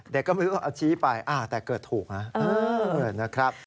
เด็กก็ไม่รู้เอาชี้ไปแต่เกิดถูกนะ